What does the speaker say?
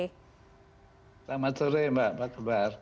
selamat sore mbak apa kabar